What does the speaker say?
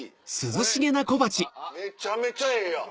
これめちゃめちゃええやん。